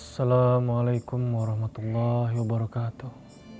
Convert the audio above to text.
assalamualaikum warahmatullahi wabarakatuh